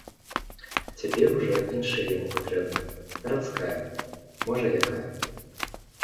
Цяпер ужо іншая яму патрэбна, гарадская, можа, якая.